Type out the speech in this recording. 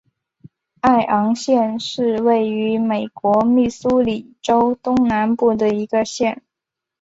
艾昂县是位于美国密苏里州东南部的一个县。